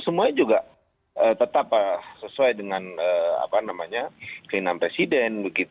semuanya juga tetap sesuai dengan keinginan presiden